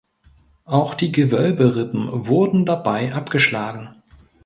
Auch die Gewölberippen wurden dabei abgeschlagen.